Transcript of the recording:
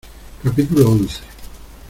capítulo once.